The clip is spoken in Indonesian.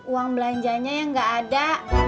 uang belanjanya yang nggak ada